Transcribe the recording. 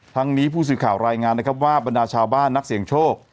ทั้งนี้ผู้สื่อข่าวรายงานนะครับว่าบรรดาชาวบ้านนักเสี่ยงโชค